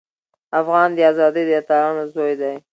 افغان د ازادۍ د اتلانو زوی دی.